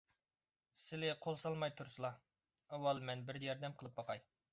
سىلى قول سالماي تۇرسىلا، ئاۋۋال مەن بىر ياردەم قىلىپ باقاي.